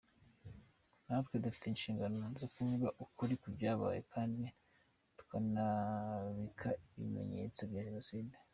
Natwe dufite inshingano zo kuvuga ukuri ku byabaye kandi tukanabika ibimyenyetso bya Jenoside.